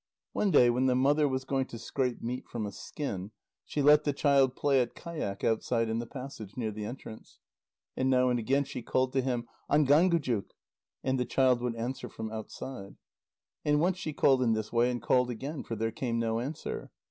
One day when the mother was going to scrape meat from a skin, she let the child play at kayak outside in the passage, near the entrance. And now and again she called to him: "Ángángujuk!" And the child would answer from outside. And once she called in this way, and called again, for there came no answer.